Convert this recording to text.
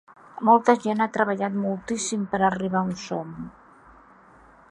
Molta gent ha treballat moltíssim per arribar on som.